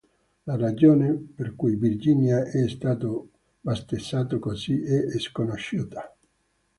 La ragione per cui Virginia è stato battezzato così è sconosciuta.